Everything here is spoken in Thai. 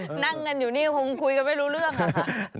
นั่งกันอยู่นี่คงคุยกันไม่รู้เรื่องอะค่ะ